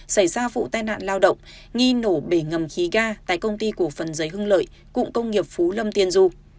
xảy ra vụ tai nạn lao động nghi nổ bể ngầm khí ga tại công ty cổ phần giấy hưng lợi cụng công nghiệp phú lâm tiên du